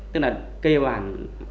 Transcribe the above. tức là kê hoàng